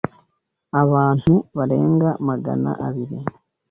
Abantu barenga Magana abiri